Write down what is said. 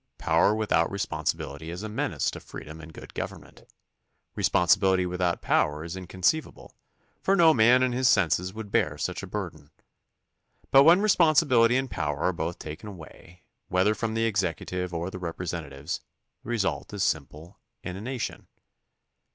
Power without responsi bility is a menace to freedom and good government. Responsibility without power is inconceivable, for no man in his senses would bear such a burden. But when responsibility and power are both taken away, whether from the executive or the representatives, the result is simple inanition.